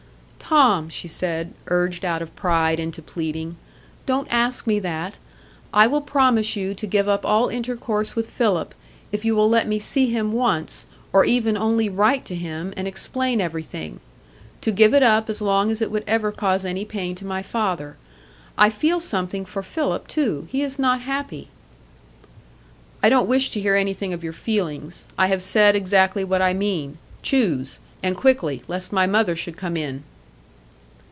"Tom," she said, urged out of pride into pleading, "don't ask me that. I will promise you to give up all intercourse with Philip, if you will let me see him once, or even only write to him and explain everything,—to give it up as long as it would ever cause any pain to my father. I feel something for Philip too. He is not happy." "I don't wish to hear anything of your feelings; I have said exactly what I mean. Choose, and quickly, lest my mother should come in."